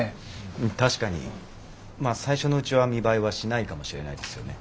確かにまあ最初のうちは見栄えはしないかもしれないですよね。